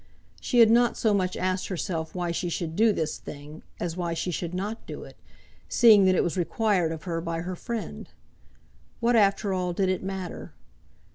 She had not so much asked herself why she should do this thing, as why she should not do it, seeing that it was required of her by her friend. What after all did it matter?